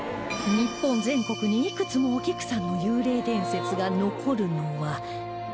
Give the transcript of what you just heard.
日本全国にいくつもお菊さんの幽霊伝説が残るのは